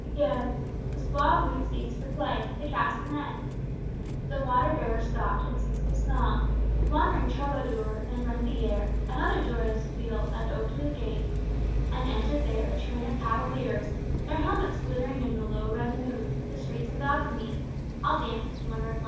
Again: The suave lute ceased to play, the castanet; The water bearer stopped, and ceased his song The wandering troubadour. Then rent the air Another joyous peal, and oped the gates And entered there a train of cavaliers, Their helmets glittering in the low red moon, The streets and balconies All danced with wondering life.